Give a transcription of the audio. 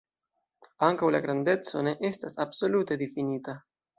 Ankaŭ la grandeco ne estas absolute difinita.